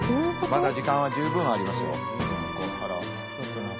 まだ時間は十分ありますよ。